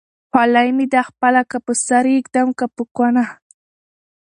خولۍ مې ده خپله که په سر يې ايږدم که په کونه